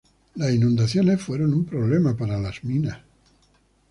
Las inundaciones fueron un problema para las minas.